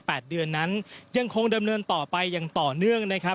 แปดเดือนนั้นยังคงดำเนินต่อไปอย่างต่อเนื่องนะครับ